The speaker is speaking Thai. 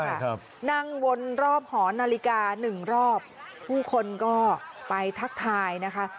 ครับนั่งวนรอบหอนาฬิกาหนึ่งรอบผู้คนก็ไปทักทายนะคะ